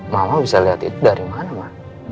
mama bisa liat itu dari mana ma